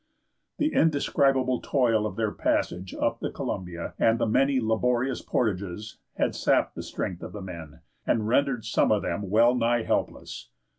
The indescribable toil of their passage up the Columbia, and the many laborious portages, had sapped the strength of the men and rendered some of them wellnigh helpless.